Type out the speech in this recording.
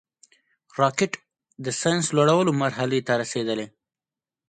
راکټ د ساینس لوړو مرحلو ته رسېدلی دی